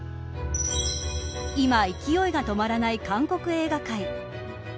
今、勢いが止まらない韓国映画界。